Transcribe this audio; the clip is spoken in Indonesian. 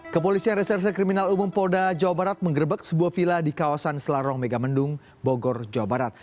kepolisian reserse kriminal umum polda jawa barat menggerbek sebuah vila di kawasan selarong megamendung bogor jawa barat